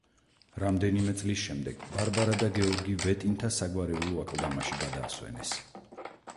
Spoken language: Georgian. რამდენიმე წლის შემდეგ, ბარბარა და გეორგი ვეტინთა საგვარეულო აკლდამაში გადაასვენეს.